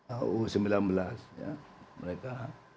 au sembilan belas ya mereka